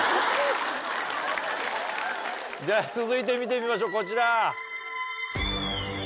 じゃあ続いて見てみましょうこちら。